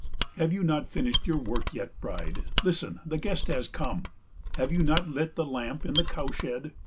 Have you not finished your work yet, bride? Listen, the guest has come. Have you not lit the lamp in the cowshed?